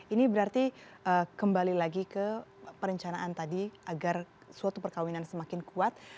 ini berarti kembali lagi ke perencanaan tadi agar suatu perkawinan semakin kuat